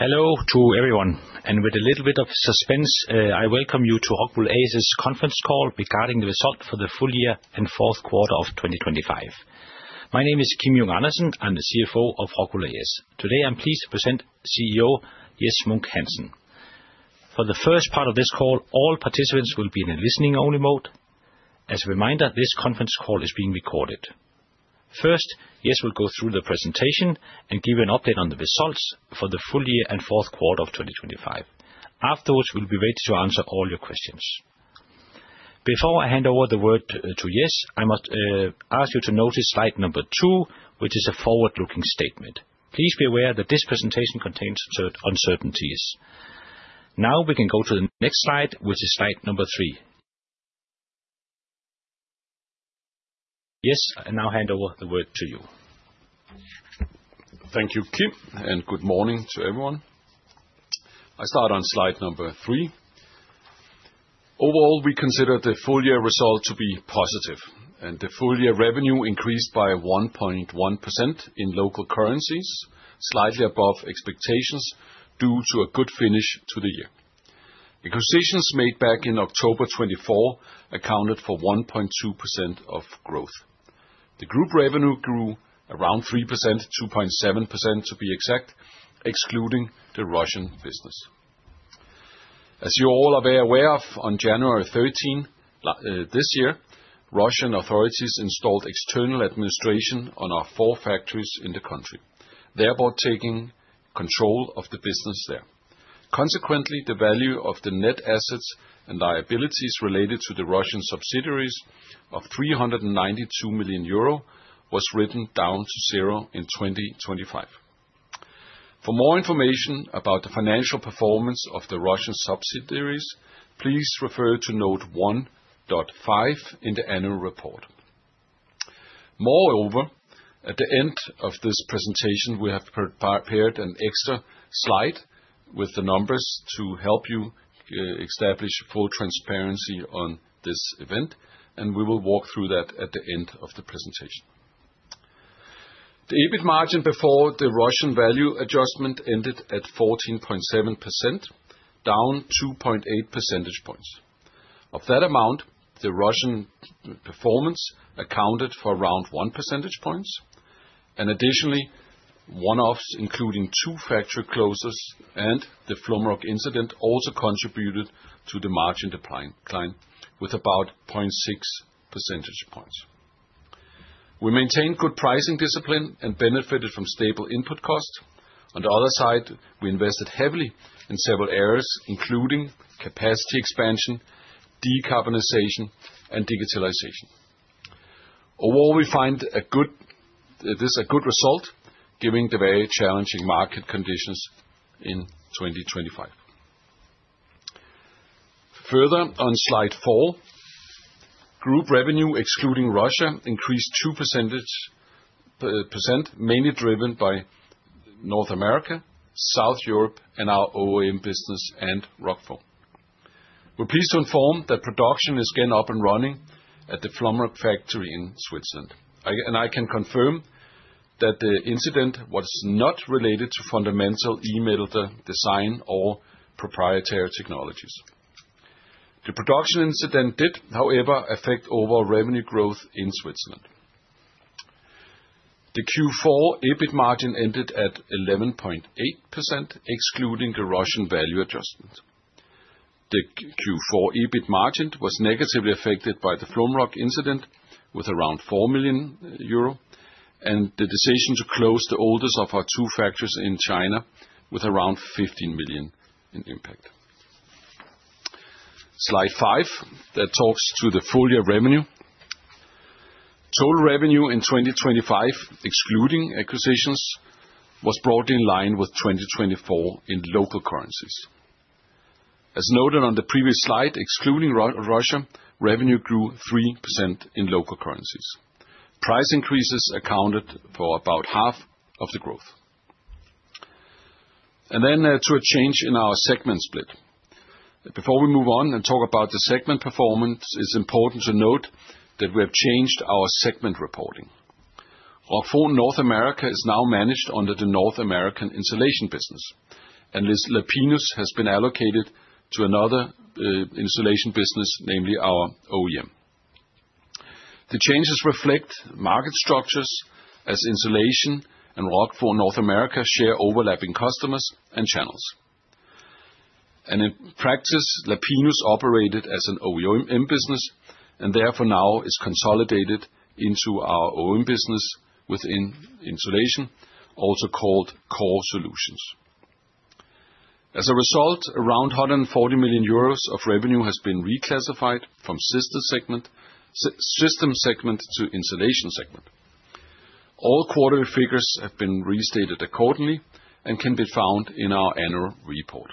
Hello to everyone, and with a little bit of suspense, I welcome you to ROCKWOOL A/S's Conference Call regarding the Results for the Full Year and Fourth Quarter of 2025. My name is Kim Junge Andersen. I'm the CFO of ROCKWOOL A/S. Today, I'm pleased to present CEO Jes Munk Hansen. For the first part of this call, all participants will be in a listening-only mode. As a reminder, this conference call is being recorded. First, Jes will go through the presentation and give an update on the results for the full year and fourth quarter of 2025. Afterwards, we'll be ready to answer all your questions. Before I hand over the word to Jes, I must ask you to notice slide number two, which is a forward-looking statement. Please be aware that this presentation contains certain uncertainties. Now, we can go to the next slide, which is slide number three. Jes, I now hand over the word to you. Thank you, Kim, and good morning to everyone. I start on slide number three. Overall, we consider the full year result to be positive, and the full year revenue increased by 1.1% in local currencies, slightly above expectations, due to a good finish to the year. Acquisitions made back in October 2024 accounted for 1.2% of growth. The group revenue grew around 3%, 2.7%, to be exact, excluding the Russian business. As you all are very aware of, on 13 January this year, Russian authorities installed external administration on our four factories in the country, thereby taking control of the business there. Consequently, the value of the net assets and liabilities related to the Russian subsidiaries of 392 million euro was written down to zero in 2025. For more information about the financial performance of the Russian subsidiaries, please refer to note 1.5 in the annual report. Moreover, at the end of this presentation, we have prepared an extra slide with the numbers to help you establish full transparency on this event, and we will walk through that at the end of the presentation. The EBIT margin before the Russian value adjustment ended at 14.7%, down 2.8 percentage points. Of that amount, the Russian performance accounted for around 1 percentage points, and additionally, one-offs, including 2 factory closures and the Flumroc incident, also contributed to the margin decline with about 0.6 percentage points. We maintained good pricing discipline and benefited from stable input costs. On the other side, we invested heavily in several areas, including capacity expansion, decarbonization, and digitalization. Overall, we find a good. is a good result, given the very challenging market conditions in 2025. Further, on slide four, group revenue, excluding Russia, increased 2%, mainly driven by North America, South Europe, and our OEM business and ROCKWOO. We're pleased to inform that production is again up and running at the Flumroc factory in Switzerland. And I can confirm that the incident was not related to fundamental E-melt design or proprietary technologies. The production incident did, however, affect overall revenue growth in Switzerland. The Q4 EBIT margin ended at 11.8%, excluding the Russian value adjustment. The Q4 EBIT margin was negatively affected by the Flumroc incident with around 4 million euro, and the decision to close the oldest of our two factories in China with around 15 million in impact. Slide five, that talks to the full year revenue. Total revenue in 2025, excluding acquisitions, was broadly in line with 2024 in local currencies. As noted on the previous slide, excluding Russia, revenue grew 3% in local currencies. Price increases accounted for about half of the growth. And then to a change in our segment split. Before we move on and talk about the segment performance, it's important to note that we have changed our segment reporting. Our full North America is now managed under the North American Insulation business, and Lapinus has been allocated to another Insulation business, namely our OEM. The changes reflect market structures as Insulation and ROCKWOOL North America share overlapping customers and channels. And in practice, Lapinus operated as an OEM business, and therefore now is consolidated into our OEM business within Insulation, also called Core Solutions. As a result, around 140 million euros of revenue has been reclassified from Systems segment to Insulation segment. All quarterly figures have been restated accordingly and can be found in our annual report.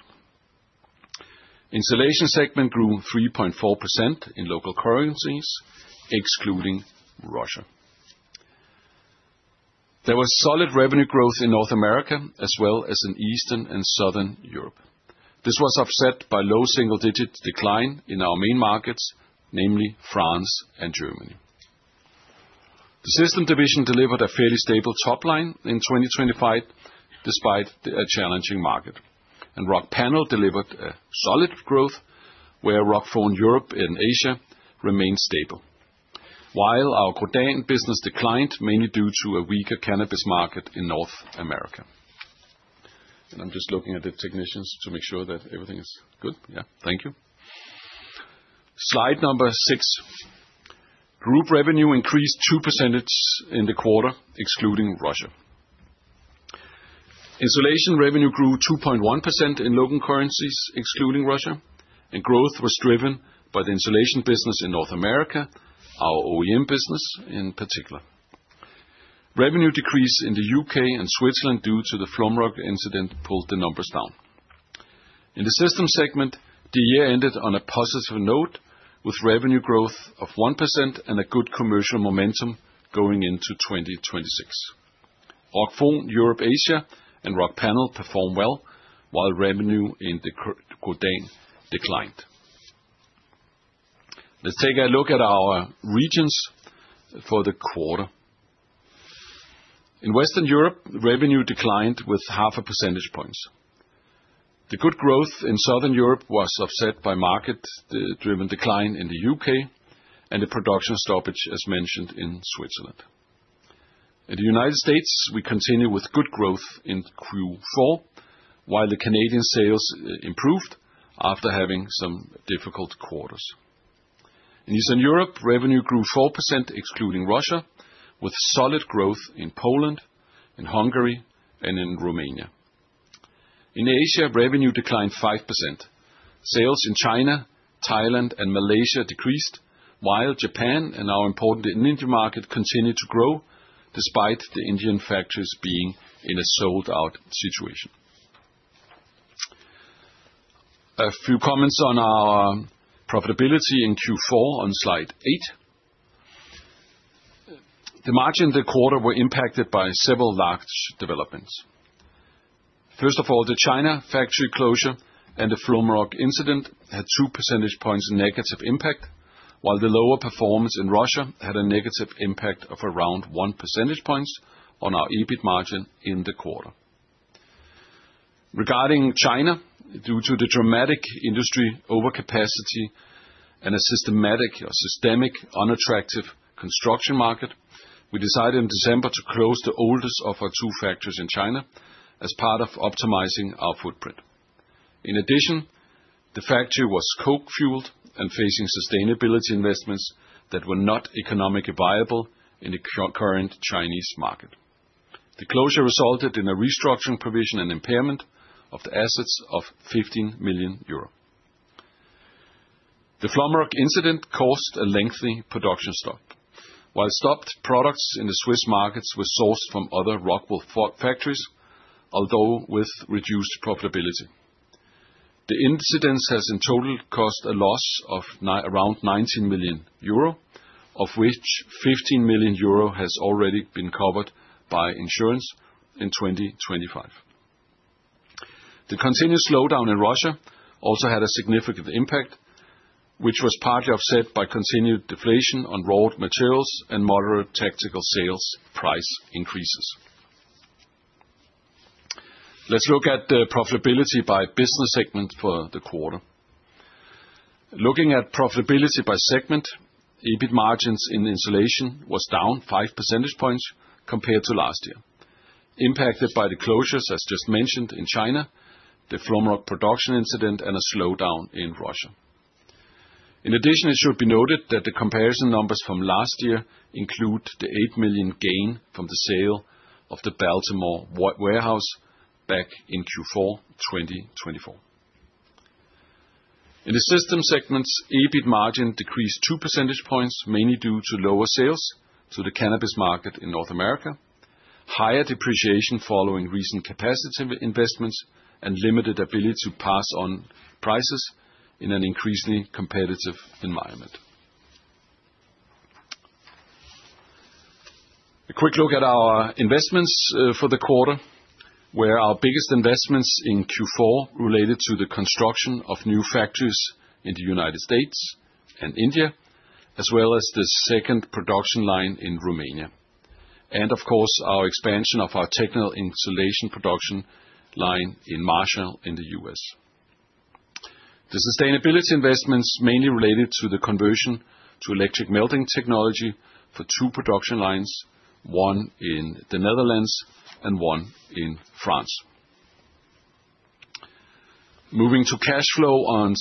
Insulation segment grew 3.4% in local currencies, excluding Russia. There was solid revenue growth in North America, as well as in Eastern and Southern Europe. This was offset by low single-digit decline in our main markets, namely France and Germany. The Systems division delivered a fairly stable top line in 2025, despite a challenging market. Rockpanel delivered a solid growth, where Rockfon Europe and Asia remained stable. While our Grodan business declined, mainly due to a weaker cannabis market in North America. And I'm just looking at the technicians to make sure that everything is good. Yeah, thank you. Slide number 6. Group revenue increased 2% in the quarter, excluding Russia. Insulation revenue grew 2.1% in local currencies, excluding Russia, and growth was driven by the insulation business in North America, our OEM business in particular. Revenue decreased in the UK and Switzerland due to the Flumroc incident, pulled the numbers down. In the systems segment, the year ended on a positive note, with revenue growth of 1% and a good commercial momentum going into 2026. Rockfon Europe Asia and Rockpanel performed well, while revenue in the Grodan declined. Let's take a look at our regions for the quarter. In Western Europe, revenue declined with half a percentage points. The good growth in Southern Europe was offset by market driven decline in the UK, and a production stoppage, as mentioned in Switzerland. In the United States, we continue with good growth in Q4, while the Canadian sales improved after having some difficult quarters. In Eastern Europe, revenue grew 4%, excluding Russia, with solid growth in Poland, in Hungary, and in Romania. In Asia, revenue declined 5%. Sales in China, Thailand, and Malaysia decreased, while Japan and our important Indian market continued to grow despite the Indian factories being in a sold-out situation. A few comments on our profitability in Q4 on Slide 8. The margin in the quarter were impacted by several large developments. First of all, the China factory closure and the Flumroc incident had 2 percentage points negative impact, while the lower performance in Russia had a negative impact of around 1 percentage points on our EBIT margin in the quarter. Regarding China, due to the dramatic industry overcapacity and a systematic or systemic unattractive construction market, we decided in December to close the oldest of our two factories in China as part of optimizing our footprint. In addition, the factory was coke-fueled and facing sustainability investments that were not economically viable in the current Chinese market. The closure resulted in a restructuring provision and impairment of the assets of 15 million euro. The Flumroc incident caused a lengthy production stop. While stopped, products in the Swiss markets were sourced from other ROCKWOOL factories, although with reduced profitability. The incident has in total cost a loss of around 19 million euro, of which 15 million euro has already been covered by insurance in 2025. The continued slowdown in Russia also had a significant impact, which was partly offset by continued deflation on raw materials and moderate tactical sales price increases. Let's look at the profitability by business segment for the quarter. Looking at profitability by segment, EBIT margins in insulation was down 5 percentage points compared to last year, impacted by the closures, as just mentioned in China, the Flumroc production incident, and a slowdown in Russia. In addition, it should be noted that the comparison numbers from last year include the 8 million gain from the sale of the Baltimore warehouse back in Q4 2024. In the systems segments, EBIT margin decreased two percentage points, mainly due to lower sales to the cannabis market in North America, higher depreciation following recent capacity investments, and limited ability to pass on prices in an increasingly competitive environment. A quick look at our investments for the quarter, where our biggest investments in Q4 related to the construction of new factories in the United States and India, as well as the second production line in Romania, and of course, our expansion of our technical insulation production line in Marshall, in the US. The sustainability investments mainly related to the conversion to electric melting technology for two production lines, one in the Netherlands and one in France. Moving to cash flow on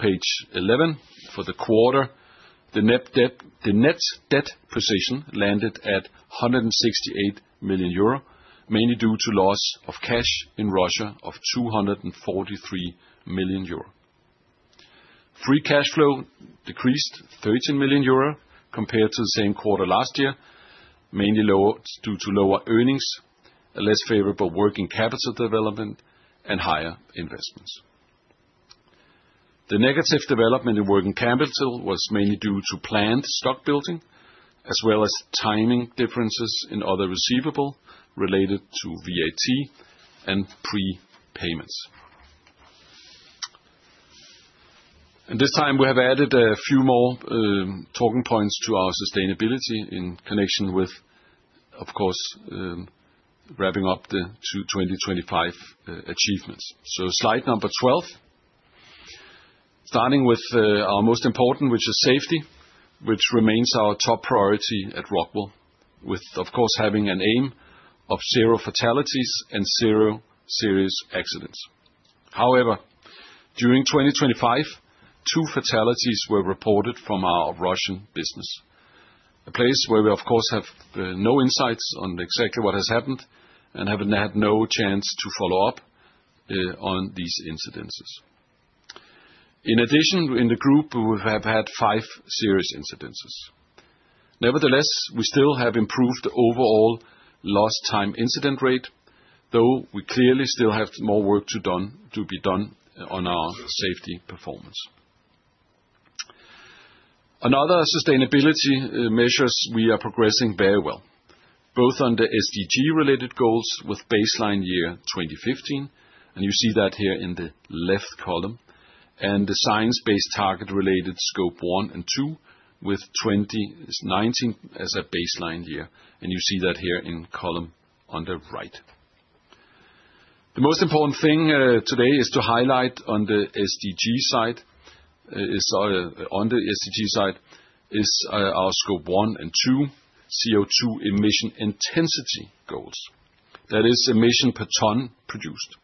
page eleven for the quarter, the net debt, the net debt position landed at 168 million euro, mainly due to loss of cash in Russia of 243 million euro. Free cash flow decreased 13 million euro compared to the same quarter last year, mainly lower, due to lower earnings, a less favorable working capital development, and higher investments. The negative development in working capital was mainly due to planned stock building, as well as timing differences in other receivables related to VAT and prepayments. This time, we have added a few more talking points to our sustainability in connection with, of course, wrapping up the 2025 achievements. So slide number 12. Starting with our most important, which is safety, which remains our top priority at Rockwool, with, of course, having an aim of zero fatalities and zero serious accidents. However, during 2025, two fatalities were reported from our Russian business. A place where we, of course, have no insights on exactly what has happened and have had no chance to follow up on these incidents. In addition, in the group, we have had 5 serious incidents. Nevertheless, we still have improved the overall lost time incident rate, though we clearly still have more work to be done on our safety performance. Another sustainability measures we are progressing very well, both on the SDG-related goals with baseline year 2015, and you see that here in the left column, and the science-based target related Scope one and two, with 2019 as a baseline year, and you see that here in column on the right. The most important thing today is to highlight on the SDG side is our Scope one and two, CO2 emission intensity goals. That is emission per ton produced.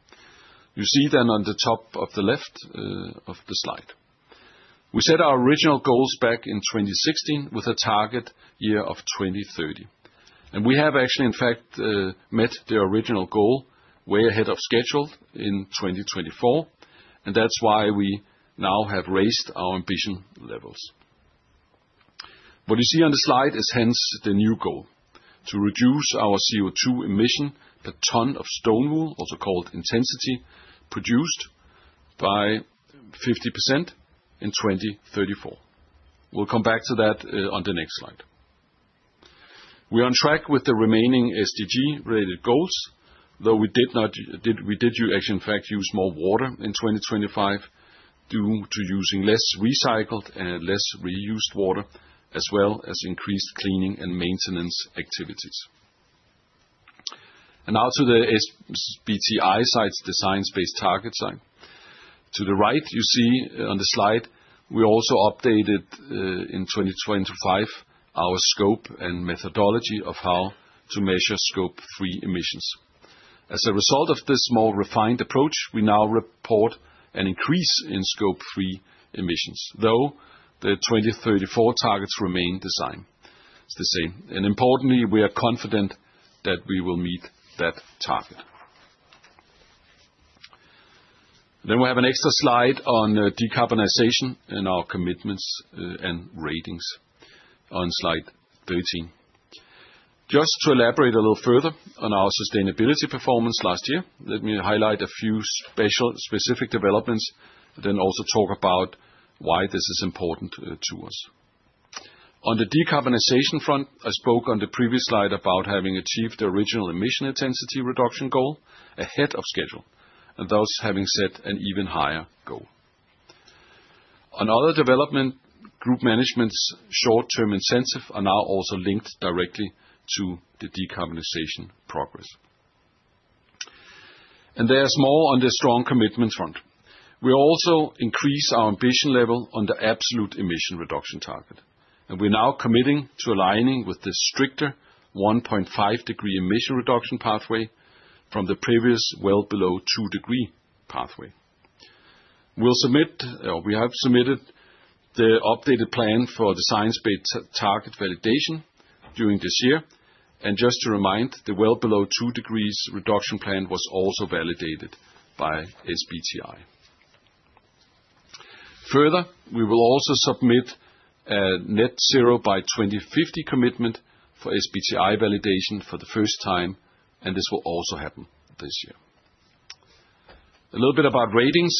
You see them on the top of the left of the slide. We set our original goals back in 2016, with a target year of 2030. We have actually, in fact, met the original goal way ahead of schedule in 2024, and that's why we now have raised our ambition levels. What you see on the slide is hence the new goal: to reduce our CO2 emission, a ton of stone wool, also called intensity, produced by 50% in 2034. We'll come back to that on the next slide. We're on track with the remaining SDG-related goals, though we did not- we did actually, in fact, use more water in 2025 due to using less recycled and less reused water, as well as increased cleaning and maintenance activities. And now to the SBTi side, the science-based target side. To the right, you see on the slide, we also updated in 2025, our scope and methodology of how to measure Scope three emissions. As a result of this more refined approach, we now report an increase in Scope three emissions, though the 2034 targets remain the same, the same. And importantly, we are confident that we will meet that target. Then we have an extra slide on decarbonization and our commitments and ratings on slide 13. Just to elaborate a little further on our sustainability performance last year, let me highlight a few special, specific developments, then also talk about why this is important to us. On the decarbonization front, I spoke on the previous slide about having achieved the original emission intensity reduction goal ahead of schedule, and thus having set an even higher goal. Another development, group management's short-term incentive are now also linked directly to the decarbonization progress. And there's more on the strong commitment front. We also increased our ambition level on the absolute emission reduction target, and we're now committing to aligning with the stricter 1.5 degree emission reduction pathway from the previous well below 2 degree pathway. We'll submit, we have submitted the updated plan for the science-based target validation during this year. And just to remind, the well below 2 degrees reduction plan was also validated by SBTi. Further, we will also submit a net zero by 2050 commitment for SBTi validation for the first time, and this will also happen this year. A little bit about ratings,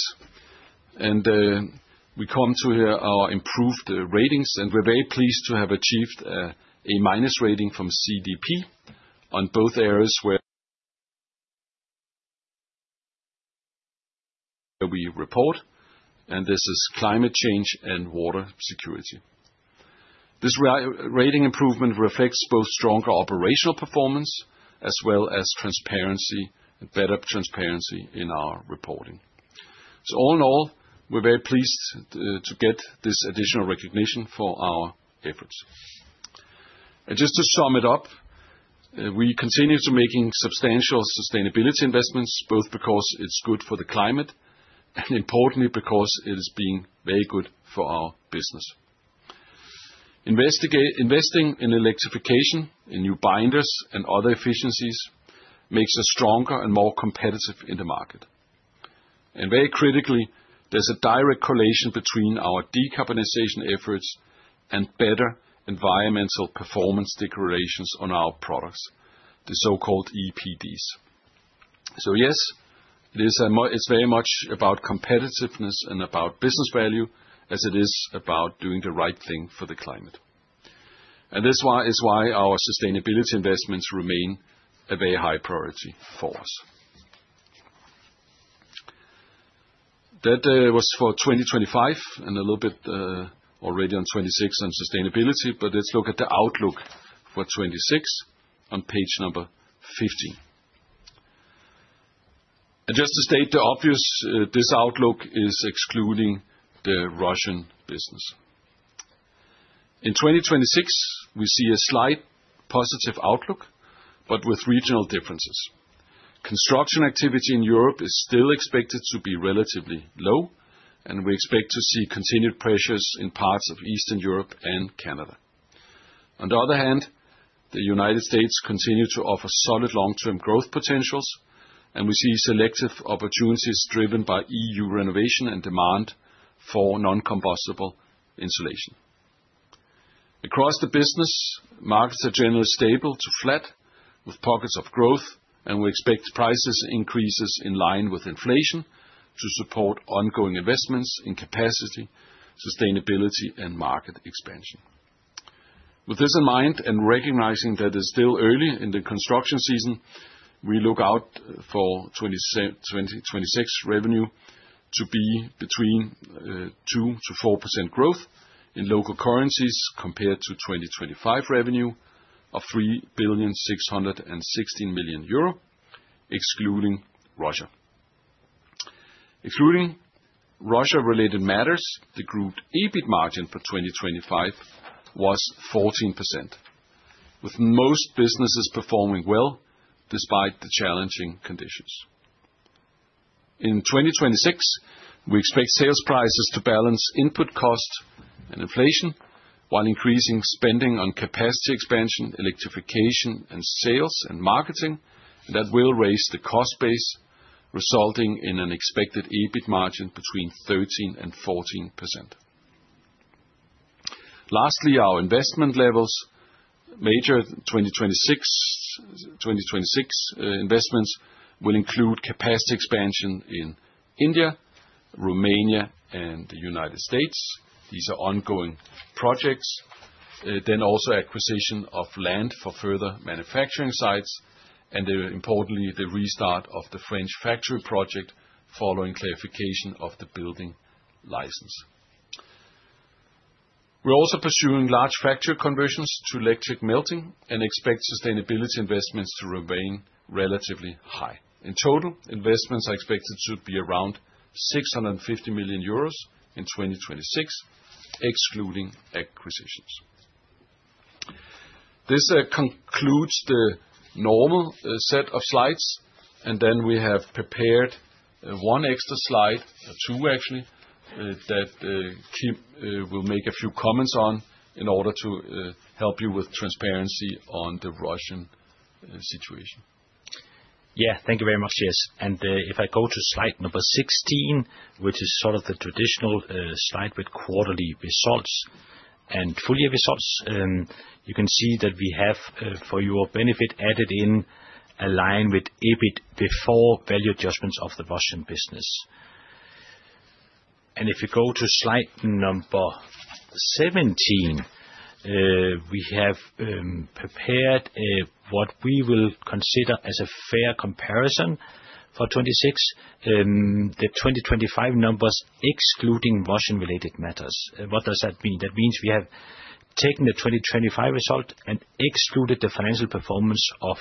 and, we come to our improved ratings, and we're very pleased to have achieved, A minus rating from CDP on both areas where we report, and this is climate change and water security. This rating improvement reflects both stronger operational performance as well as transparency, better transparency in our reporting. So all in all, we're very pleased to get this additional recognition for our efforts. Just to sum it up, we continue to making substantial sustainability investments, both because it's good for the climate and importantly, because it is being very good for our business. Investing in electrification, in new binders, and other efficiencies, makes us stronger and more competitive in the market. And very critically, there's a direct correlation between our decarbonization efforts and better environmental performance declarations on our products, the so-called EPDs. So yes, it's very much about competitiveness and about business value, as it is about doing the right thing for the climate. And this is why our sustainability investments remain a very high priority for us. That was for 2025 and a little bit already on 2026 on sustainability, but let's look at the outlook for 2026 on page 15. Just to state the obvious, this outlook is excluding the Russian business. In 2026, we see a slight positive outlook, but with regional differences. Construction activity in Europe is still expected to be relatively low, and we expect to see continued pressures in parts of Eastern Europe and Canada. On the other hand, the United States continue to offer solid long-term growth potentials, and we see selective opportunities driven by EU renovation and demand for non-combustible insulation. Across the business, markets are generally stable to flat, with pockets of growth, and we expect prices increases in line with inflation to support ongoing investments in capacity, sustainability, and market expansion. With this in mind, and recognizing that it's still early in the construction season, we look out for 2026 revenue to be between 2%-4% growth in local currencies, compared to 2025 revenue of 3.616 billion, excluding Russia. Excluding Russia-related matters, the group EBIT margin for 2025 was 14%, with most businesses performing well despite the challenging conditions. In 2026, we expect sales prices to balance input costs and inflation, while increasing spending on capacity expansion, electrification, and sales and marketing. That will raise the cost base, resulting in an expected EBIT margin between 13% and 14%. Lastly, our investment levels. Major 2026 investments will include capacity expansion in India, Romania, and the United States. These are ongoing projects. Then also acquisition of land for further manufacturing sites, and then importantly, the restart of the French factory project following clarification of the building license. We're also pursuing large factory conversions to electric melting and expect sustainability investments to remain relatively high. In total, investments are expected to be around 650 million euros in 2026, excluding acquisitions. This concludes the normal set of slides, and then we have prepared one extra slide, two actually, that Kim will make a few comments on in order to help you with transparency on the Russian situation. Yeah. Thank you very much, Jes. And, if I go to slide number 16, which is sort of the traditional slide with quarterly results and full year results, you can see that we have, for your benefit, added in a line with EBIT before value adjustments of the Russian business. And if you go to slide number 17, we have prepared what we will consider as a fair comparison for 2026, the 2025 numbers, excluding Russian-related matters. What does that mean? That means we have taken the 2025 result and excluded the financial performance of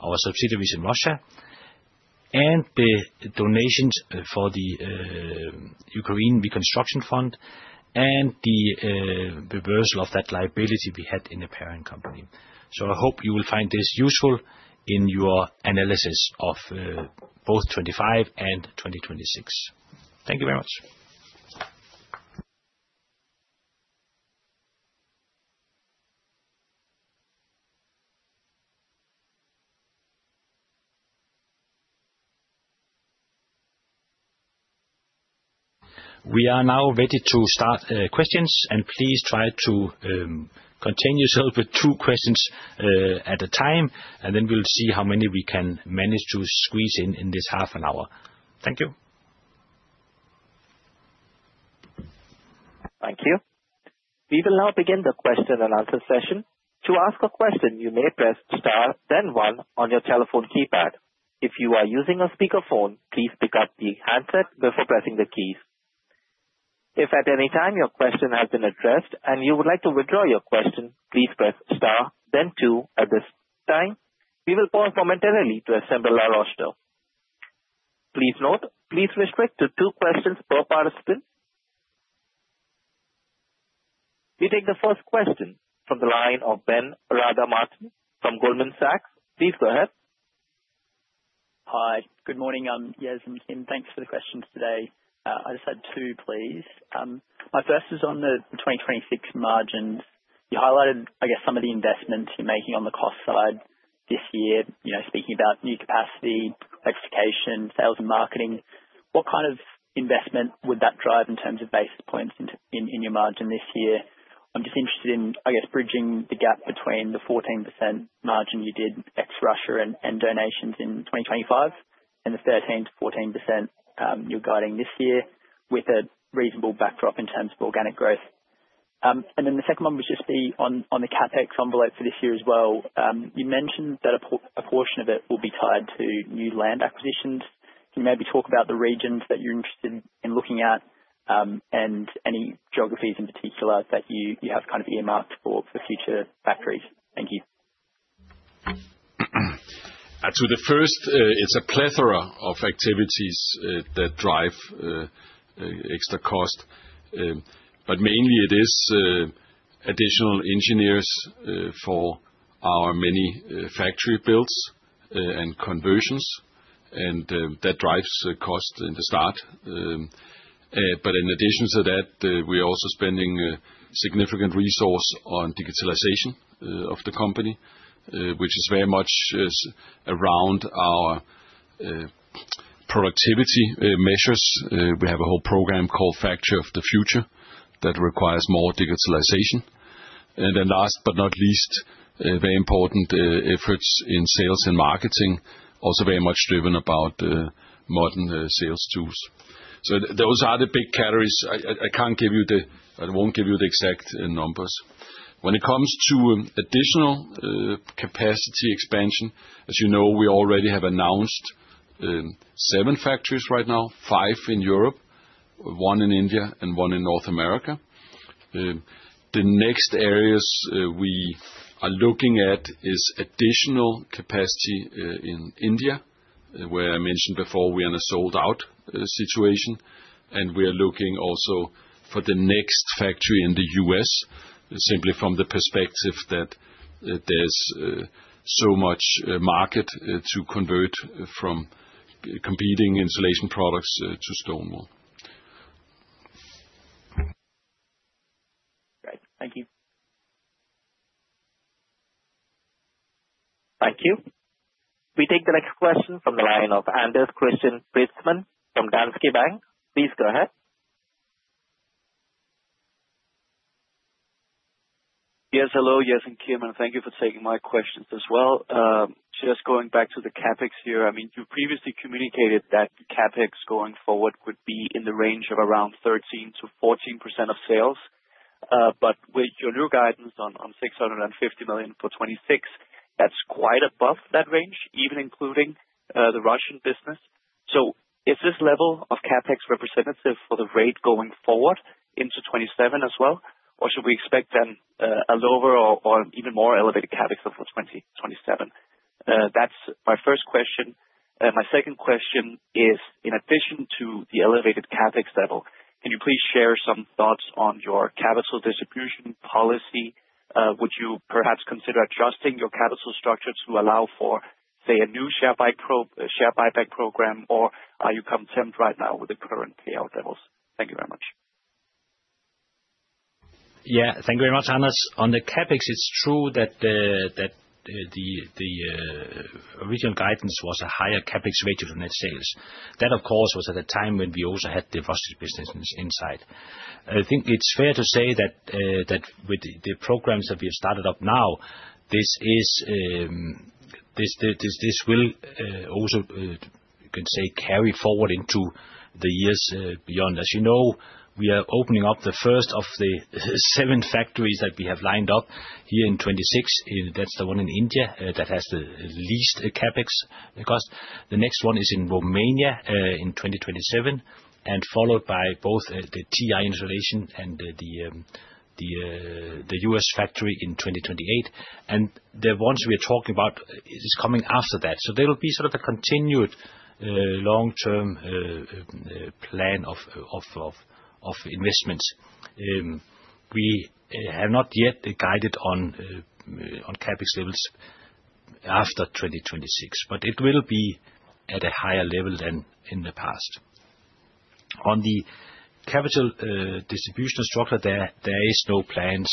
our subsidiaries in Russia and the donations for the Ukraine Reconstruction Fund, and the reversal of that liability we had in the parent company. So I hope you will find this useful in your analysis of both 2025 and 2026. Thank you very much. We are now ready to start questions, and please try to contain yourself with two questions at a time, and then we'll see how many we can manage to squeeze in in this half an hour. Thank you. Thank you. We will now begin the Q&A session. To ask a question, you may press star, then one on your telephone keypad. If you are using a speakerphone, please pick up the handset before pressing the keys. If at any time your question has been addressed and you would like to withdraw your question, please press star, then two at this time. We will pause momentarily to assemble our roster. Please note, please restrict to two questions per participant. We take the first question from the line of Ben Rada Martin from Goldman Sachs. Please go ahead. Hi, good morning, Jes and Kim. Thanks for the questions today. I just had two, please. My first is on the 2026 margins. You highlighted, I guess, some of the investments you're making on the cost side this year, you know, speaking about new capacity, electrification, sales, and marketing. What kind of investment would that drive in terms of basis points in your margin this year? I'm just interested in, I guess, bridging the gap between the 14% margin you did ex-Russia and D&A in 2025. And the 13%-14%, you're guiding this year with a reasonable backdrop in terms of organic growth. And then the second one would just be on the CapEx envelope for this year as well. You mentioned that a portion of it will be tied to new land acquisitions. Can you maybe talk about the regions that you're interested in looking at, and any geographies in particular that you have kind of earmarked for future factories? Thank you. To the first, it's a plethora of activities that drive extra cost. But mainly it is additional engineers for our many factory builds and conversions, and that drives the cost in the start. But in addition to that, we're also spending a significant resource on digitalization of the company, which is very much around our productivity measures. We have a whole program called Factory of the Future that requires more digitalization. And then last but not least, very important efforts in sales and marketing, also very much driven about modern sales tools. So those are the big categories. I can't give you the... I won't give you the exact numbers. When it comes to additional capacity expansion, as you know, we already have announced 7 factories right now, 5 in Europe, 1 in India, and 1 in North America. The next areas we are looking at is additional capacity in India, where I mentioned before, we are in a sold out situation, and we are looking also for the next factory in the U.S., simply from the perspective that there's so much market to convert from competing insulation products to stone wool. Great. Thank you. Thank you. We take the next question from the line of Anders Christian Preetzmann from Danske Bank. Please go ahead. Yes, hello. Yes, and Kim, thank you for taking my questions as well. Just going back to the CapEx here, I mean, you previously communicated that CapEx going forward would be in the range of around 13%-14% of sales. But with your new guidance on 650 million for 2026, that's quite above that range, even including the Russian business. So is this level of CapEx representative for the rate going forward into 2027 as well? Or should we expect then a lower or even more elevated CapEx for 2027? That's my first question. My second question is, in addition to the elevated CapEx level, can you please share some thoughts on your capital distribution policy? Would you perhaps consider adjusting your capital structure to allow for, say, a new share buyback program, or are you content right now with the current payout levels? Thank you very much. Yeah. Thank you very much, Anders. On the CapEx, it's true that the original guidance was a higher CapEx rate of net sales. That, of course, was at a time when we also had the Russia business inside. I think it's fair to say that with the programs that we have started up now, this will also, you can say, carry forward into the years beyond. As you know, we are opening up the first of the seven factories that we have lined up here in 2026. That's the one in India that has the least CapEx, because the next one is in Romania in 2027, and followed by both the TI insulation and the US factory in 2028. The ones we are talking about is coming after that. So there will be sort of a continued long-term plan of investments. We have not yet guided on CapEx levels after 2026, but it will be at a higher level than in the past. On the capital distribution structure, there is no plans.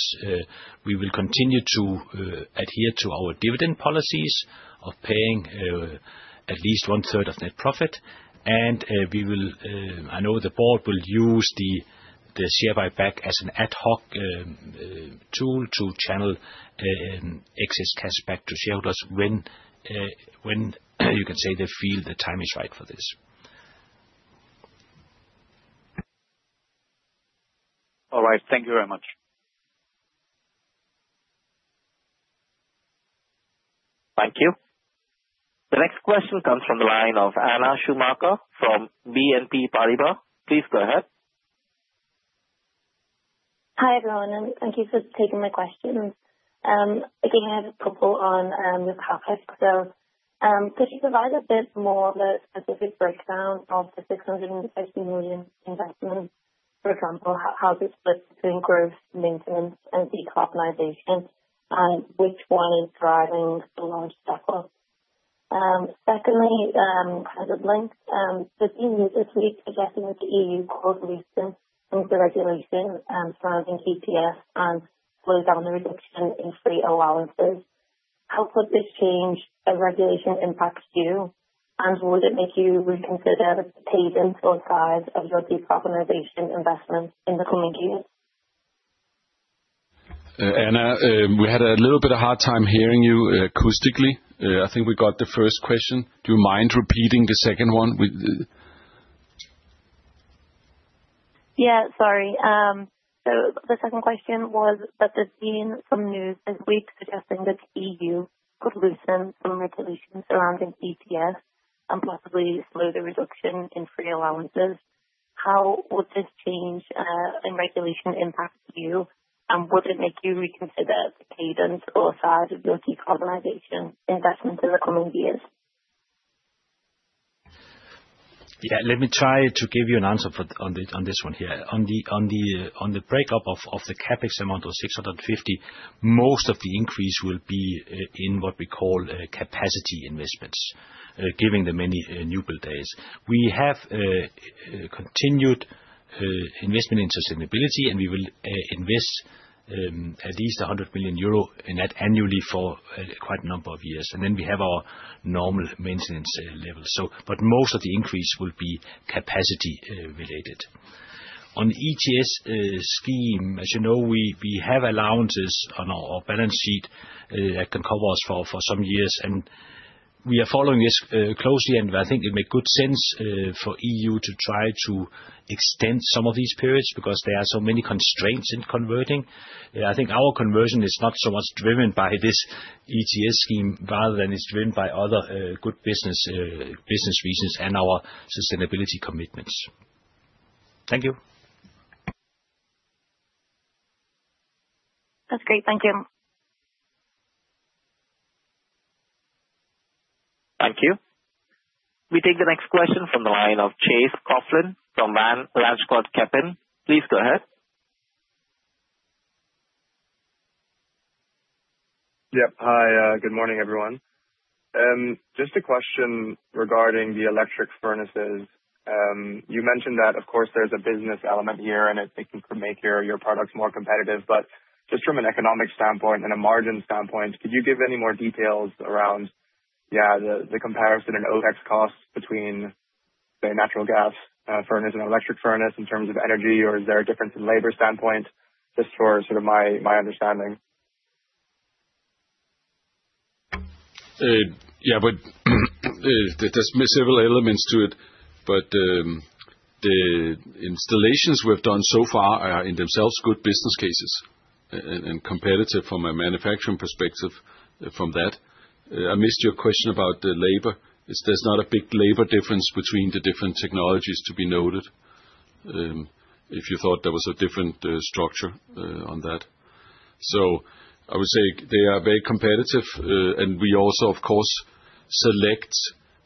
We will continue to adhere to our dividend policies of paying at least one third of net profit, and we will, I know the board will use the share buyback as an ad hoc tool to channel excess cash back to shareholders when you can say they feel the time is right for this. All right. Thank you very much. Thank you. The next question comes from the line of Anna Schumacher from BNP Paribas. Please go ahead. Hi, everyone, and thank you for taking my questions. Again, I have a couple on the CapEx. So, could you provide a bit more of a specific breakdown of the 650 million investment? For example, how is it split between growth, maintenance, and decarbonization, and which one is driving the large backlog? Secondly, as it links, but in this week, I guess, with the EU closely since the regulation surrounding ETS and slow down the reduction in free allowances, how could this change a regulation impact you? And would it make you reconsider the pace and/or size of your decarbonization investments in the coming years? Anna, we had a little bit of hard time hearing you acoustically. I think we got the first question. Do you mind repeating the second one? We- Yeah, sorry. So the second question was that there's been some news this week suggesting that EU could loosen some regulations surrounding ETS and possibly slow the reduction in free allowances. How would this change in regulation impact you? And would it make you reconsider the cadence or size of your decarbonization investments in the coming years? Yeah, let me try to give you an answer for this one here. On the breakdown of the CapEx amount of 650 million, most of the increase will be in what we call capacity investments, giving the many new build days. We have continued investment in sustainability, and we will invest at least 100 million euro in that annually for quite a number of years. And then we have our normal maintenance level. So, but most of the increase will be capacity related. On ETS scheme, as you know, we have allowances on our balance sheet that can cover us for some years, and we are following this closely. I think it make good sense for EU to try to extend some of these periods because there are so many constraints in converting. Yeah, I think our conversion is not so much driven by this ETS scheme, rather than it's driven by other good business business reasons and our sustainability commitments. Thank you. That's great. Thank you. Thank you. We take the next question from the line of Chase Coughlan from Van Lanschot Kempen. Please go ahead. Yep. Hi, good morning, everyone. Just a question regarding the electric furnaces. You mentioned that of course, there's a business element here, and I think you could make your, your products more competitive, but just from an economic standpoint and a margin standpoint, could you give any more details around the comparison in OpEx costs between, say, natural gas furnace and electric furnace in terms of energy, or is there a difference in labor standpoint? Just for sort of my, my understanding. Yeah, but there, there's several elements to it, but the installations we've done so far are in themselves good business cases, and competitive from a manufacturing perspective from that. I missed your question about the labor. There's not a big labor difference between the different technologies to be noted, if you thought there was a different structure on that. So I would say they are very competitive, and we also, of course, select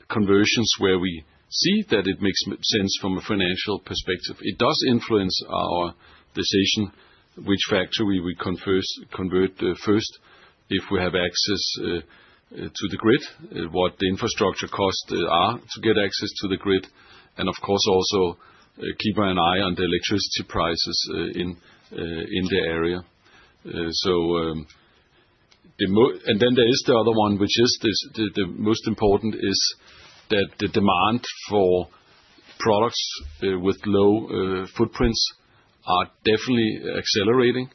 conversions where we see that it makes sense from a financial perspective. It does influence our decision, which factory we convert first, if we have access to the grid, what the infrastructure costs are to get access to the grid, and of course, also, keeping an eye on the electricity prices in the area. So, And then there is the other one, which is this, the most important is that the demand for products with low footprints are definitely accelerating.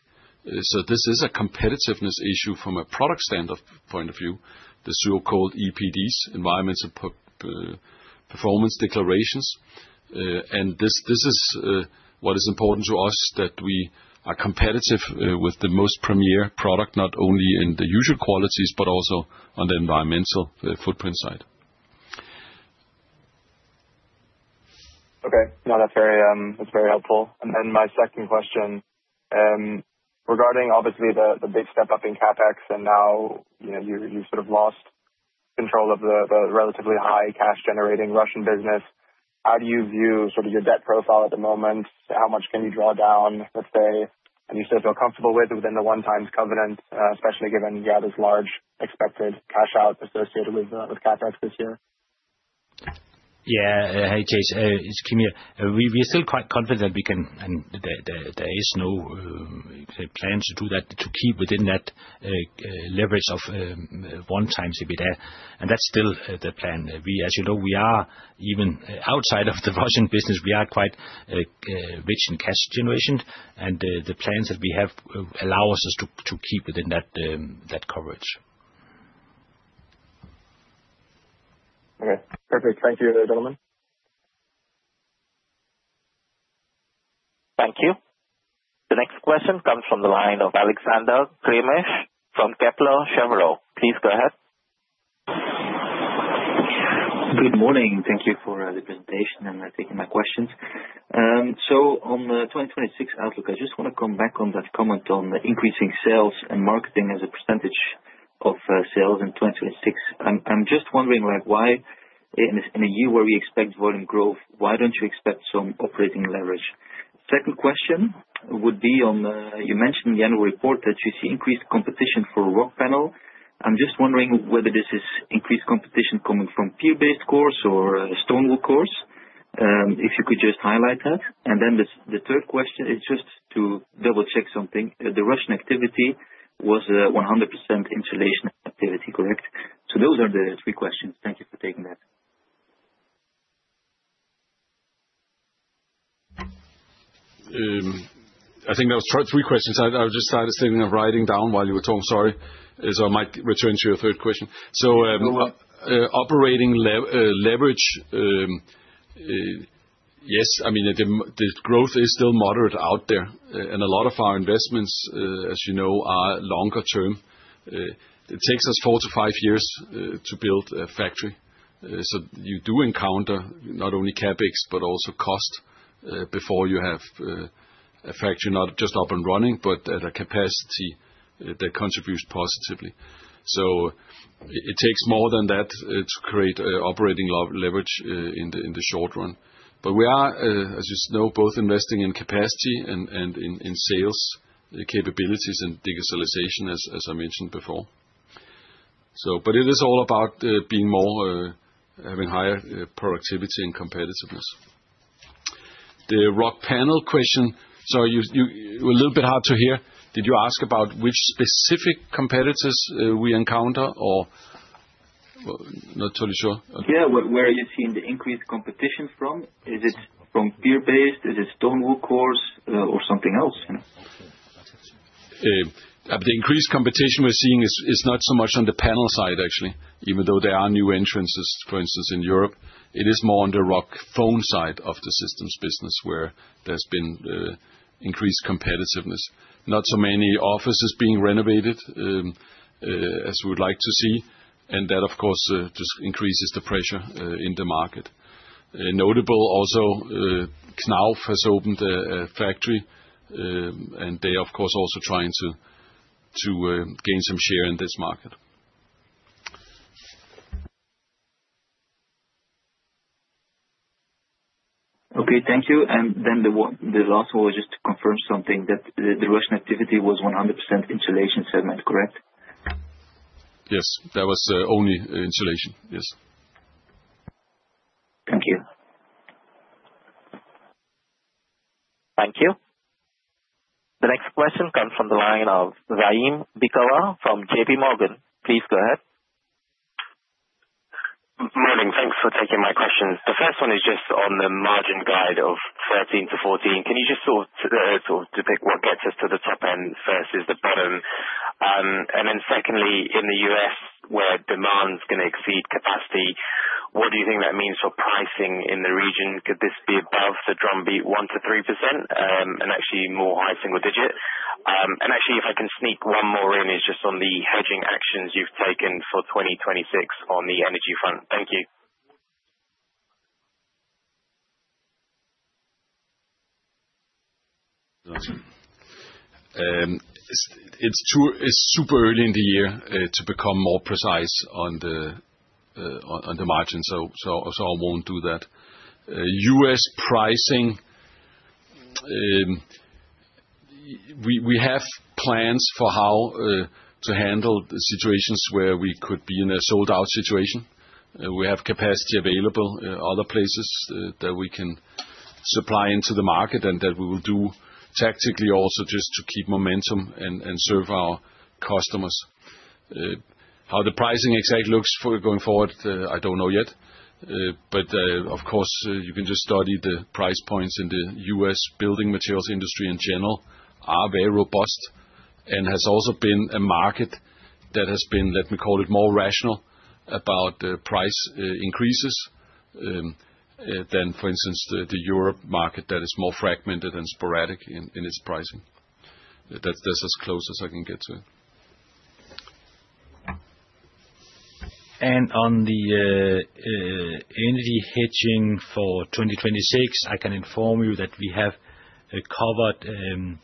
So this is a competitiveness issue from a product standpoint of view, the so-called EPDs, Environmental Performance Declarations. And this is what is important to us, that we are competitive with the most premier product, not only in the usual qualities, but also on the environmental footprint side. Okay. No, that's very, that's very helpful. And then my second question, regarding obviously the, the big step-up in CapEx, and now, you know, you, you sort of lost control of the, the relatively high cash generating Russian business, how do you view sort of your debt profile at the moment? How much can you draw down, let's say, and you still feel comfortable with within the one times covenant, especially given you have this large expected cash out associated with, with CapEx this year? Yeah. Hey, Chase, it's Kim here. We are still quite confident that we can... and there is no plans to do that, to keep within that leverage of 1x EBITDA, and that's still the plan. We, as you know, we are even outside of the Russian business, we are quite rich in cash generation, and the plans that we have allows us to keep within that coverage. Okay, perfect. Thank you, gentlemen. Thank you. The next question comes from the line of Alexander Craeymeersch from Kepler Cheuvreux. Please go ahead. Good morning. Thank you for the presentation and taking my questions. So on the 2026 outlook, I just want to come back on that comment on the increasing sales and marketing as a percentage of sales in 2026. I'm just wondering, like, why, in a year where we expect volume growth, why don't you expect some operating leverage? Second question would be on, you mentioned in the annual report that you see increased competition for Rockpanel. I'm just wondering whether this is increased competition coming from fibre-based cores or stone wool cores. If you could just highlight that. And then the third question is just to double-check something. The Russian activity was 100% insulation activity, correct? So those are the three questions. Thank you for taking that. I think that was three questions. I was just kind of thinking of writing down while you were talking. Sorry, as I might return to your third question. So, operating leverage, yes, I mean, the growth is still moderate out there, and a lot of our investments, as you know, are longer term. It takes us 4-5 years to build a factory. So you do encounter not only CapEx, but also cost, before you have a factory, not just up and running, but at a capacity that contributes positively. So it takes more than that to create operating leverage in the short run. But we are, as you know, both investing in capacity and in sales capabilities and digitalization, as I mentioned before. But it is all about being more, having higher productivity and competitiveness. The Rockpanel question, so you a little bit hard to hear. Did you ask about which specific competitors we encounter or? Not totally sure. Yeah. Where are you seeing the increased competition from? Is it from peers, is it stone wool, Owens, or something else, you know? The increased competition we're seeing is not so much on the Rockpanel side, actually, even though there are new entrants, for instance, in Europe. It is more on the Rockfon side of the systems business, where there's been increased competitiveness. Not so many offices being renovated as we'd like to see, and that, of course, just increases the pressure in the market. Notable also, Knauf has opened a factory, and they, of course, also trying to gain some share in this market. Okay. Thank you. Then the one. The last one was just to confirm something, that the Russian activity was 100% insulation segment, correct? Yes. That was only insulation. Yes. Thank you. Thank you. The next question comes from the line of Zaim Beekawa from J.P. Morgan. Please go ahead. Morning. Thanks for taking my questions. The first one is just on the margin guide of 13%-14%. Can you just sort of depict what gets us to the top end versus the bottom? And then secondly, in the US, where demand is going to exceed capacity, what do you think that means for pricing in the region? Could this be above the drum beat 1%-3%, and actually more high single digit? And actually, if I can sneak one more in, is just on the hedging actions you've taken for 2026 on the energy front. Thank you. It's true, it's super early in the year to become more precise on the margins, so I won't do that. US pricing, we have plans for how to handle the situations where we could be in a sold-out situation. We have capacity available other places that we can supply into the market, and that we will do tactically also just to keep momentum and serve our customers. How the pricing exactly looks for going forward, I don't know yet. But, of course, you can just study the price points in the U.S. building materials industry in general are very robust, and has also been a market that has been, let me call it, more rational about price increases than, for instance, the Europe market that is more fragmented and sporadic in its pricing. That's as close as I can get to it. On the energy hedging for 2026, I can inform you that we have covered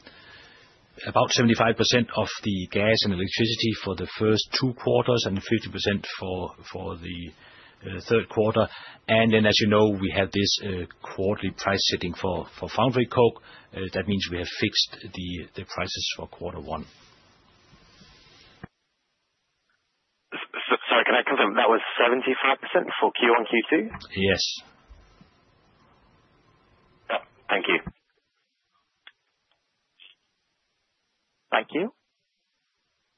about 75% of the gas and electricity for the first two quarters and 50% for the third quarter. And then, as you know, we have this quarterly price setting for foundry coke. That means we have fixed the prices for quarter one. Sorry, can I confirm? That was 75% for Q1 and Q2? Yes. Yeah. Thank you. Thank you.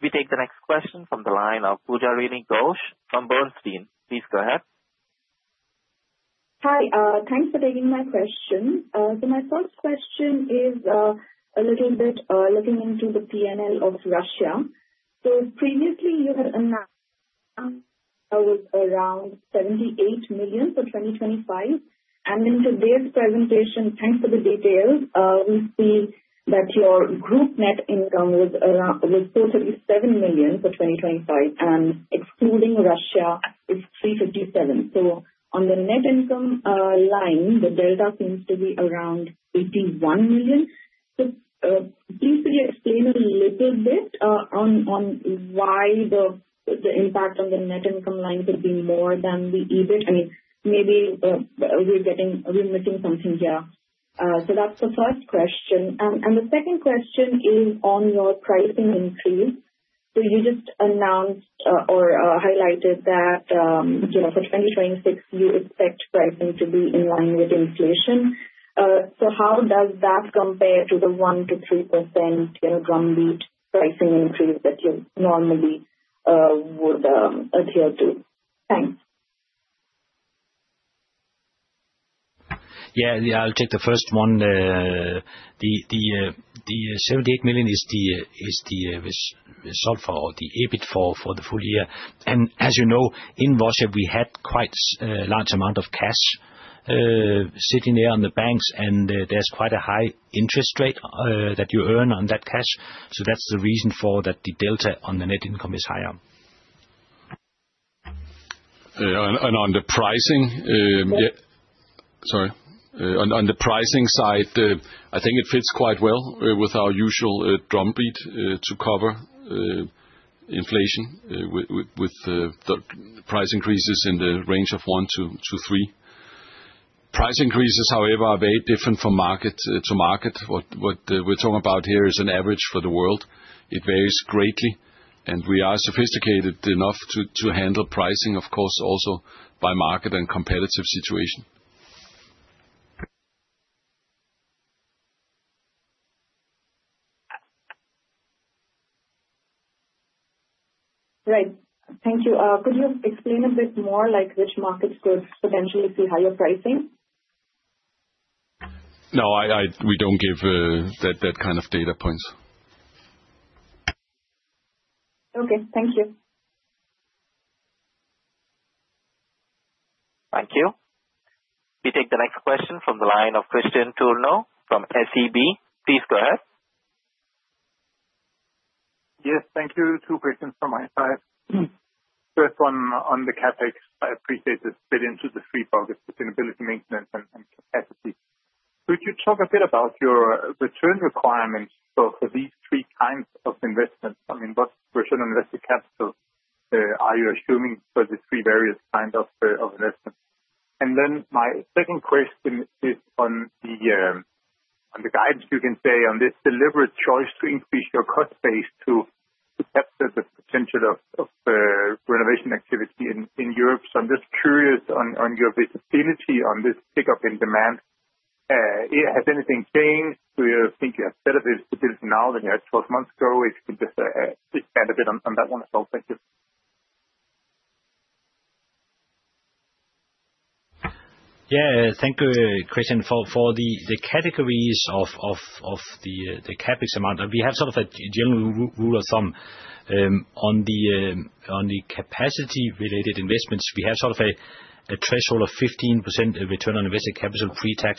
We take the next question from the line of Pujarini Ghosh from Bernstein. Please go ahead. Hi. Thanks for taking my question. So my first question is a little bit looking into the PNL of Russia. So previously you had announced it was around 78 million for 2025, and in today's presentation, thanks for the details, we see that your group net income was around, was 457 million for 2025, and excluding Russia, it's 357 million. So on the net income line, the delta seems to be around 81 million. So please explain a little bit on why the impact on the net income line has been more than the EBIT. I mean, maybe we're getting we're missing something here. So that's the first question. And the second question is on your pricing increase. So you just announced, or, highlighted that, you know, for 2026, you expect pricing to be in line with inflation. So how does that compare to the 1%-3%, you know, drum beat pricing increase that you normally would adhere to? Thanks. Yeah, I'll take the first one. The, the, the 78 million is the, is the, result for, or the EBIT for, for the full year. And as you know, in Russia, we had quite, large amount of cash, sitting there on the banks, and, there's quite a high interest rate, that you earn on that cash. So that's the reason for that the delta on the net income is higher. And on the pricing side, I think it fits quite well with our usual drum beat to cover inflation with the price increases in the range of 1-3. Price increases, however, are very different from market to market. What we're talking about here is an average for the world. It varies greatly, and we are sophisticated enough to handle pricing, of course, also by market and competitive situation. Great, thank you. Could you explain a bit more, like, which markets could potentially see higher pricing? No, we don't give that kind of data points. Okay, thank you. Thank you. We take the next question from the line of Kristian Tornøe Johansen from SEB. Please go ahead. Yes, thank you. Two questions from my side. First, on the CapEx, I appreciate this fit into the three focus, sustainability, maintenance, and capacity. Could you talk a bit about your return requirements for these three kinds of investments? I mean, what return on invested capital are you assuming for the three various kinds of investment? And then my second question is on the guidance, you can say, on this deliberate choice to increase your cost base to capture the potential of renovation activity in Europe. So I'm just curious on your visibility on this pickup in demand. Has anything changed? Do you think you are better at this position now than you were 12 months ago? If you could just expand a bit on that one as well. Thank you. Yeah, thank you, Christian. For the categories of the CapEx amount, we have sort of a general rule of thumb. On the capacity-related investments, we have sort of a threshold of 15% return on invested capital, pre-tax.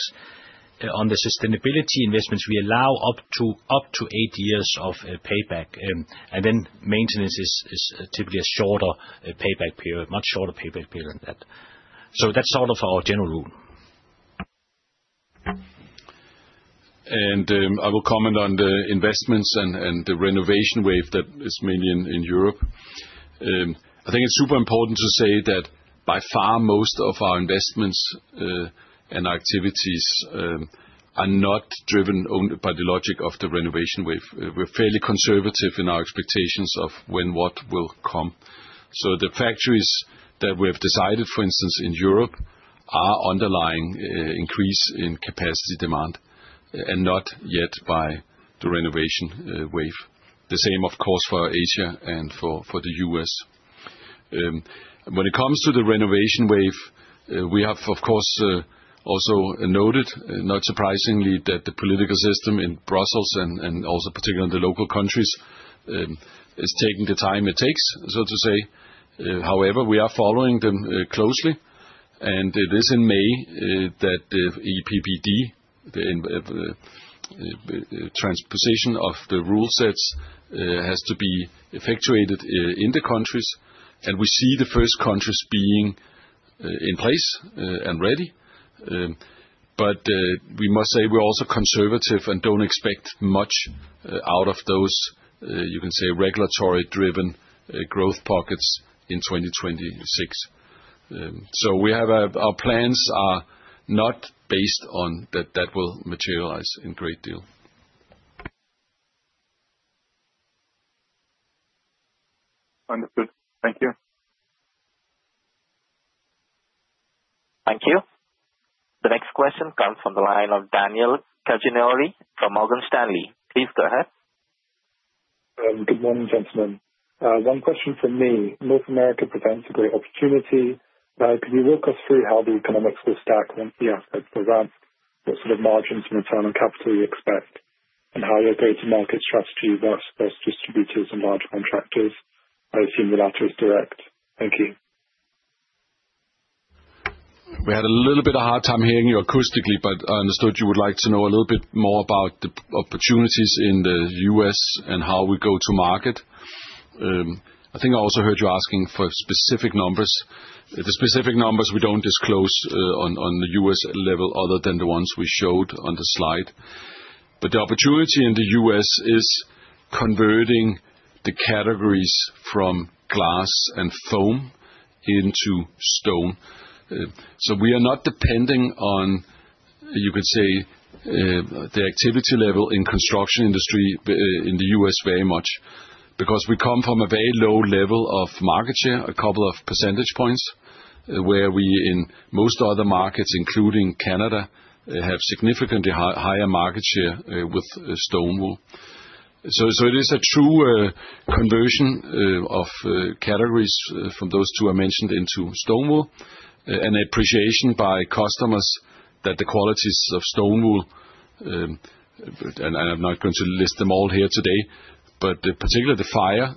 On the sustainability investments, we allow up to 8 years of payback. And then maintenance is typically a shorter payback period, much shorter payback period than that. So that's sort of our general rule. I will comment on the investments and the renovation wave that is mainly in Europe. I think it's super important to say that by far, most of our investments and activities are not driven only by the logic of the renovation wave. We're fairly conservative in our expectations of when what will come. So the factories that we have decided, for instance, in Europe, are underlying increase in capacity demand, and not yet by the renovation wave. The same, of course, for Asia and for the U.S. When it comes to the renovation wave, we have, of course, also noted, not surprisingly, that the political system in Brussels and also particularly in the local countries is taking the time it takes, so to say. However, we are following them closely, and it is in May that the EPBD, the transposition of the rule sets, has to be effectuated in the countries, and we see the first countries being in place and ready. But we must say we're also conservative and don't expect much out of those, you can say, regulatory-driven growth pockets in 2026. So our plans are not based on that that will materialize in great deal. Understood. Thank you. Thank you. The next question comes from the line of Cedar Ekblom from Morgan Stanley. Please go ahead. Good morning, gentlemen. One question from me. North America presents a great opportunity. Can you walk us through how the economics will stack once we have the ramp? What sort of margins and return on capital you expect, and how you're go-to-market strategy versus distributors and large contractors? I assume the latter is direct. Thank you. We had a little bit of a hard time hearing you acoustically, but I understood you would like to know a little bit more about the opportunities in the US and how we go to market. I think I also heard you asking for specific numbers. The specific numbers we don't disclose, on the US level, other than the ones we showed on the slide. But the opportunity in the US is converting the categories from glass and foam into stone. So we are not depending on, you could say, the activity level in construction industry in the US very much, because we come from a very low level of market share, a couple of percentage points, where we in most other markets, including Canada, have significantly higher market share, with stone wool.... So, it is a true conversion of categories from those two I mentioned into stone wool, and appreciation by customers that the qualities of stone wool, and I'm not going to list them all here today, but particularly the fire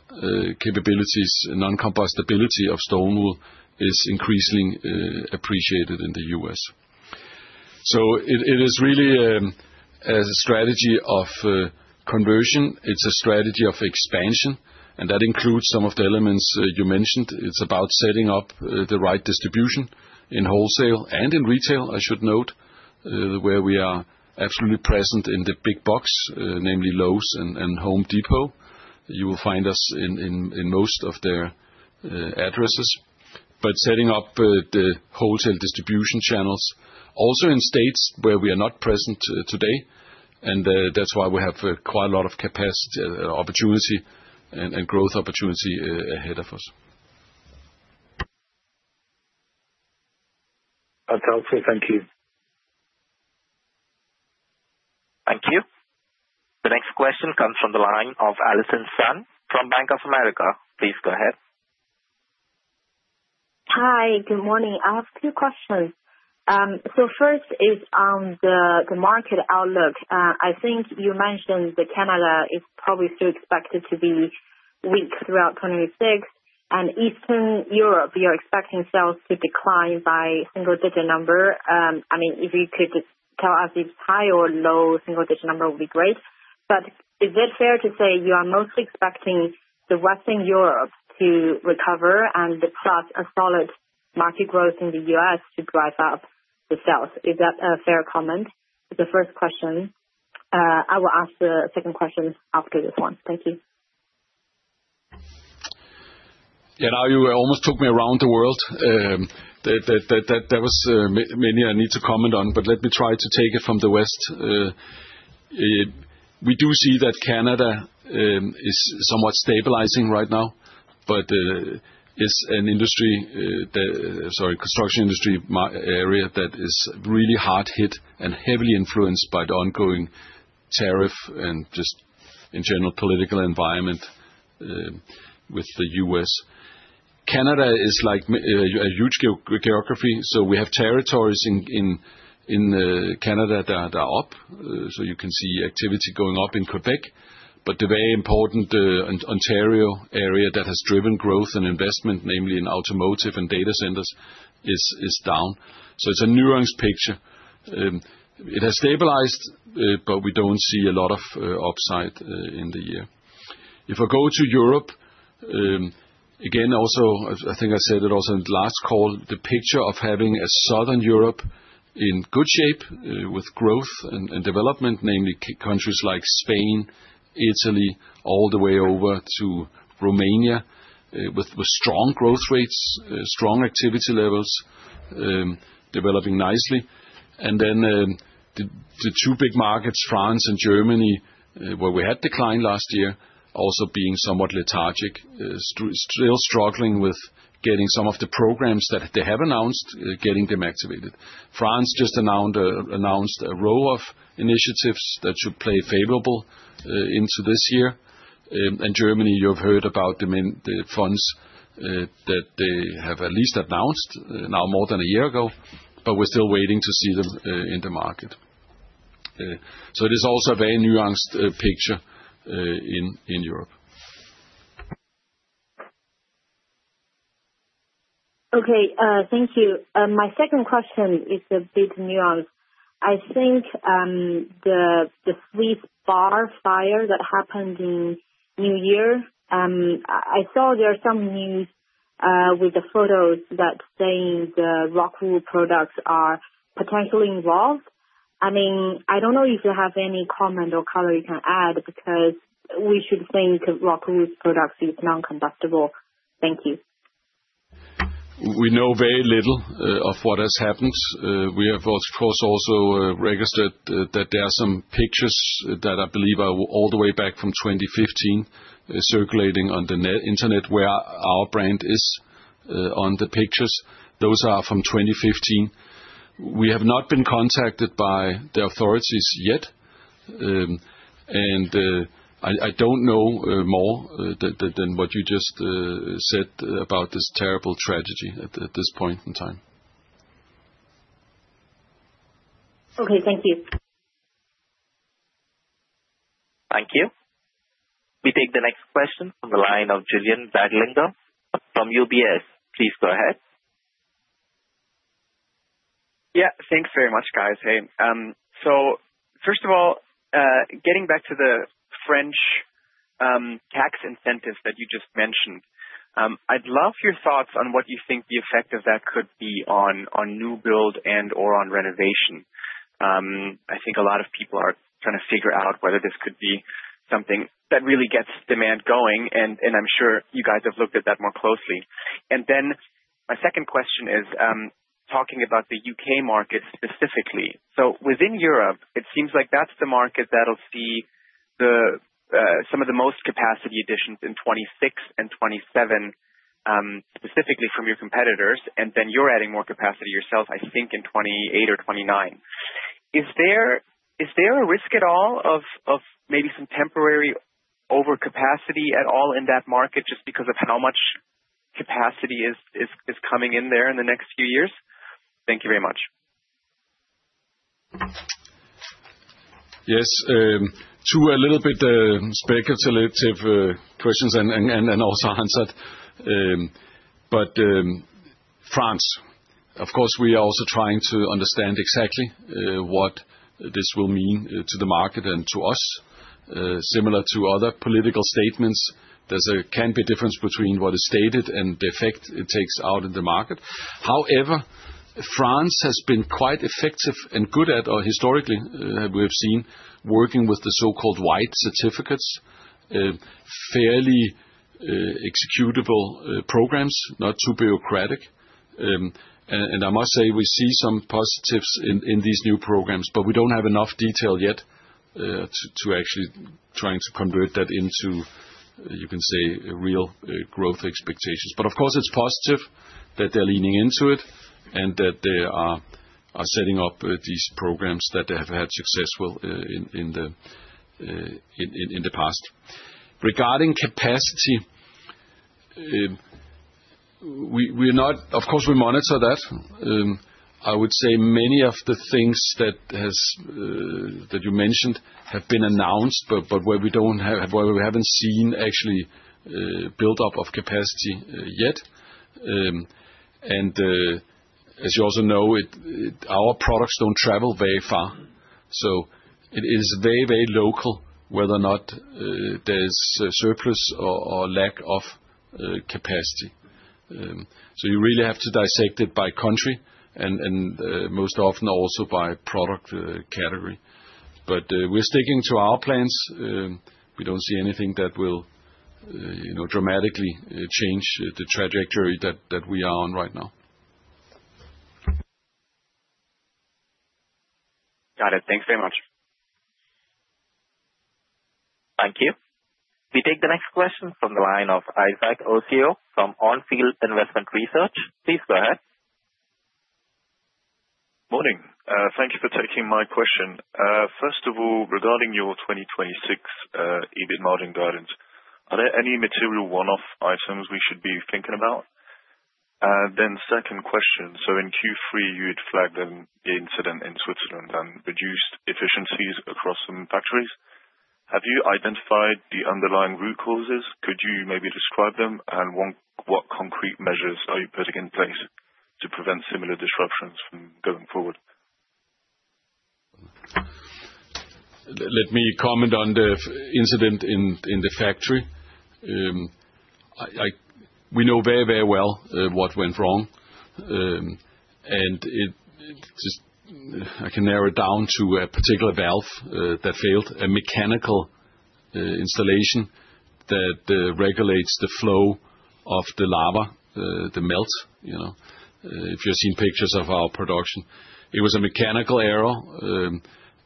capabilities, non-combustibility of stone wool is increasingly appreciated in the U.S. So it is really, as a strategy of conversion, it's a strategy of expansion, and that includes some of the elements you mentioned. It's about setting up the right distribution in wholesale and in retail, I should note, where we are absolutely present in the big box, namely, Lowe’s and Home Depot. You will find us in most of their addresses, but setting up the wholesale distribution channels also in states where we are not present today, and that's why we have quite a lot of capacity, opportunity, and growth opportunity ahead of us. Okay, thank you. Thank you. The next question comes from the line of Allison Sun from Bank of America. Please go ahead. Hi, good morning. I have two questions. So first is on the, the market outlook. I think you mentioned that Canada is probably still expected to be weak throughout 2026, and Eastern Europe, you're expecting sales to decline by single digit number. I mean, if you could tell us if high or low single digit number would be great. But is it fair to say you are mostly expecting the Western Europe to recover and the plus a solid market growth in the US to drive up the sales? Is that a fair comment? The first question. I will ask the second question after this one. Thank you. Yeah, now you almost took me around the world. That was many I need to comment on, but let me try to take it from the West. We do see that Canada is somewhat stabilizing right now, but it's an industry, the... Sorry, construction industry market area that is really hard hit and heavily influenced by the ongoing tariff and just in general political environment with the US. Canada is like a huge geography, so we have territories in Canada that are up. So you can see activity going up in Quebec, but the very important Ontario area that has driven growth and investment, namely in automotive and data centers, is down. So it's a nuanced picture. It has stabilized, but we don't see a lot of upside in the year. If I go to Europe, again, I think I said it also in the last call, the picture of having a Southern Europe in good shape, with growth and development, namely, countries like Spain, Italy, all the way over to Romania, with strong growth rates, strong activity levels, developing nicely. And then, the two big markets, France and Germany, where we had decline last year, also being somewhat lethargic, still struggling with getting some of the programs that they have announced, getting them activated. France just announced a row of initiatives that should play favorable into this year. And Germany, you've heard about the funds that they have at least announced, now more than a year ago, but we're still waiting to see them in the market. So it is also a very nuanced picture in Europe. Okay, thank you. My second question is a big nuance. I think the sweet bar fire that happened in New Year, I saw there are some news with the photos that saying the Rockwool products are potentially involved. I mean, I don't know if you have any comment or color you can add, because we should think of Rockwool's products is non-combustible. Thank you. We know very little of what has happened. We have of course also registered that there are some pictures that I believe are all the way back from 2015 circulating on the internet, where our brand is on the pictures. Those are from 2015. We have not been contacted by the authorities yet. And I don't know more than what you just said about this terrible tragedy at this point in time. Okay, thank you. Thank you. We take the next question from the line of Julian Radlinger from UBS. Please go ahead. Yeah, thanks very much, guys. Hey, so first of all, getting back to the French tax incentives that you just mentioned, I'd love your thoughts on what you think the effect of that could be on, on new build and, or on renovation. I think a lot of people are trying to figure out whether this could be something that really gets demand going, and, and I'm sure you guys have looked at that more closely. And then my second question is, talking about the UK market specifically. So within Europe, it seems like that's the market that'll see the some of the most capacity additions in 2026 and 2027. Specifically from your competitors, and then you're adding more capacity yourself, I think, in 2028 or 2029. Is there a risk at all of maybe some temporary overcapacity at all in that market, just because of how much capacity is coming in there in the next few years? Thank you very much. Yes, two a little bit speculative questions and also answered. But France, of course, we are also trying to understand exactly what this will mean to the market and to us. Similar to other political statements, there can be a difference between what is stated and the effect it takes out in the market. However, France has been quite effective and good at, or historically, we have seen, working with the so-called white certificates, fairly executable programs, not too bureaucratic. And I must say, we see some positives in these new programs, but we don't have enough detail yet to actually trying to convert that into, you can say, real growth expectations. But of course, it's positive that they're leaning into it, and that they are setting up these programs that they have had success in the past. Regarding capacity, we are not. Of course, we monitor that. I would say many of the things that you've mentioned have been announced, but where we haven't seen actually buildup of capacity yet. And as you also know, our products don't travel very far, so it is very local, whether or not there's a surplus or lack of capacity. So you really have to dissect it by country and most often also by product category. But we're sticking to our plans. We don't see anything that will, you know, dramatically change the trajectory that we are on right now. Got it. Thanks very much. Thank you. We take the next question from the line of Yassine Touahri, from Onfield Investment Research. Please go ahead. Morning. Thank you for taking my question. First of all, regarding your 2026 EBIT margin guidance, are there any material one-off items we should be thinking about? And then second question: so in Q3, you'd flagged an incident in Switzerland and reduced efficiencies across some factories. Have you identified the underlying root causes? Could you maybe describe them? And what, what concrete measures are you putting in place to prevent similar disruptions from going forward? Let me comment on the incident in the factory. We know very, very well what went wrong. And it just, I can narrow it down to a particular valve that failed, a mechanical installation that regulates the flow of the lava, the melt, you know, if you've seen pictures of our production. It was a mechanical error,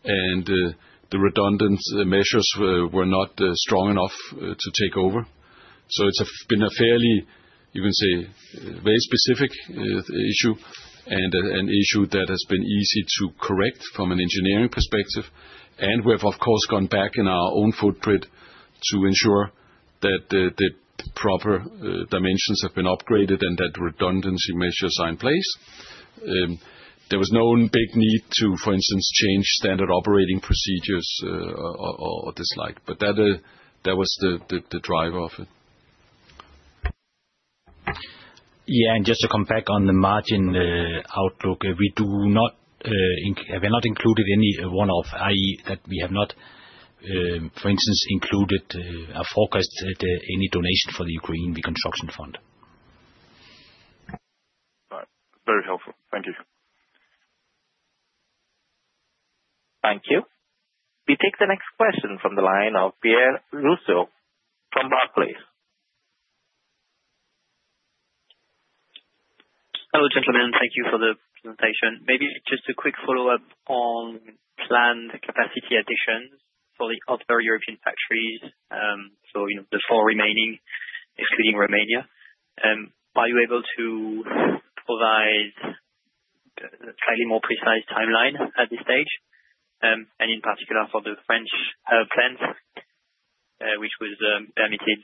and the redundant measures were not strong enough to take over. So it's been a fairly, you can say, very specific issue, and an issue that has been easy to correct from an engineering perspective. And we have, of course, gone back in our own footprint to ensure that the proper dimensions have been upgraded and that redundancy measures are in place. There was no big need to, for instance, change standard operating procedures or the like, but that was the driver of it. Yeah, and just to come back on the margin outlook, we do not, we have not included any one-off, i.e., that we have not, for instance, included a forecast at any donation for the Ukraine Reconstruction Fund. All right. Very helpful. Thank you. Thank you. We take the next question from the line of Pierre Rousseau from Barclays. Hello, gentlemen. Thank you for the presentation. Maybe just a quick follow-up on planned capacity additions for the other European factories. So, you know, the four remaining, excluding Romania. Are you able to provide a slightly more precise timeline at this stage? And in particular, for the French plant, which was permitted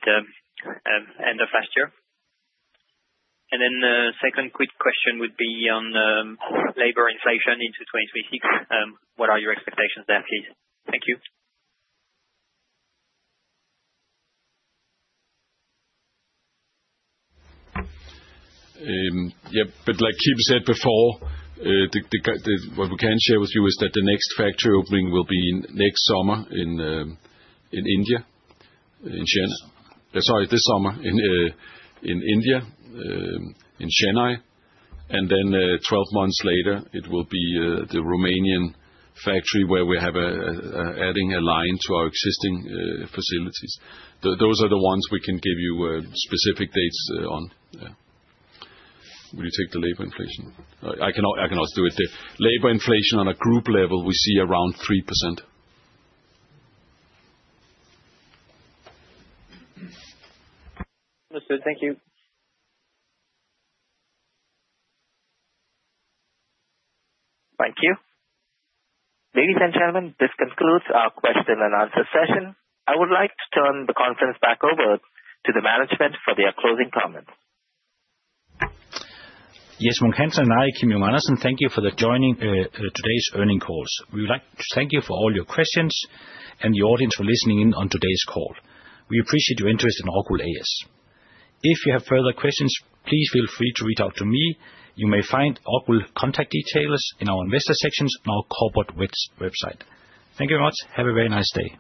end of last year. And then, second quick question would be on labor inflation into 2026. What are your expectations there, please? Thank you. Yeah, but like Kim said before, what we can share with you is that the next factory opening will be next summer in India, in Chennai. Sorry, this summer in India, in Chennai. And then, 12 months later, it will be the Romanian factory, where we have adding a line to our existing facilities. Those are the ones we can give you specific dates on, yeah. Will you take the labor inflation? I can also do it. The labor inflation on a group level, we see around 3%. Understood. Thank you. Thank you. Ladies and gentlemen, this concludes our Q&A session. I would like to turn the conference back over to the management for their closing comments. Yes, Jes Munk Hansen and I, Kim Junge Andersen, thank you for joining today's earnings call. We would like to thank you for all your questions and the audience for listening in on today's call. We appreciate your interest in ROCKWOOL A/S. If you have further questions, please feel free to reach out to me. You may find ROCKWOOL contact details in our investor section on our corporate website. Thank you very much. Have a very nice day.